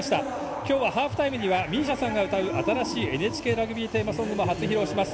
今日はハーフタイムにはＭＩＳＩＡさんが歌う新しいＮＨＫラグビーテーマソングも初披露します。